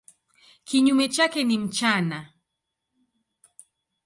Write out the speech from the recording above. Kinyume chake ni mchana.